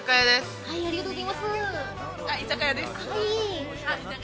はい。